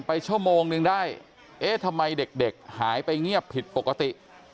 ไปชั่วโมงนึงได้เอ๊ะทำไมเด็กหายไปเงียบผิดปกติ